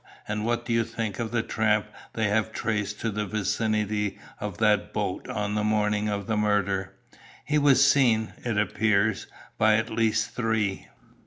And what do you think of the tramp they have traced to the vicinity of that boat on the morning of the murder? He was seen, it appears, by at least three."